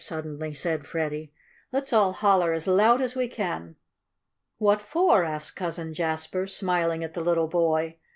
suddenly said Freddie. "Let's all holler as loud as we can!" "What for?" asked Cousin Jasper, smiling at the little boy.